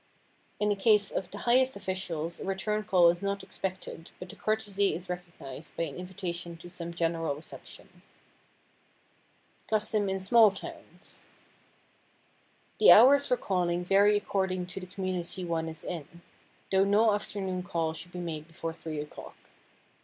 In the case of the highest officials a return call is not expected but the courtesy is recognized by an invitation to some general reception. [Sidenote: CUSTOM IN SMALL TOWNS] The hours for calling vary according to the community one is in—though no afternoon call should be made before three o'clock.